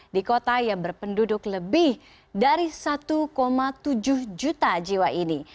di kota yang berpenduduk lebih dari satu tujuh juta jiwa ini